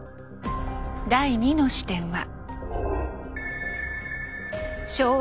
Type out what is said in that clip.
第２の視点は。